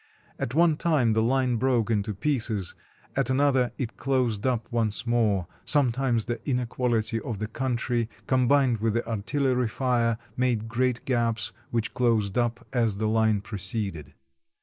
At one time the line broke into pieces, at another it« closed up once more, sometimes the inequality of the country, combined with the artillery fire, made great gaps, which closed up as the line proceeded.